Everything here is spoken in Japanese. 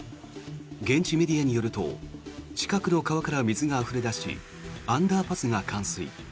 現地メディアによると近くの川から水があふれ出しアンダーパスが冠水。